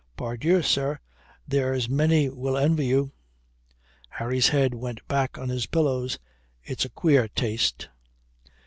Pardieu, sir, there's many will envy you." Harry's head went back on its pillows. "It's a queer taste."